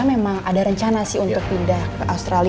memang ada rencana sih untuk pindah ke australia